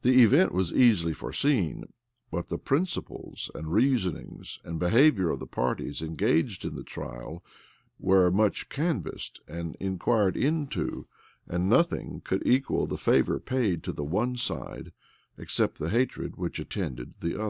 The event was easily foreseen: but the principles, and reasonings, and behavior of the parties engaged in the trial, were much canvassed and inquired into; and nothing could equal the favor paid to the one side, except the hatred which attended the other.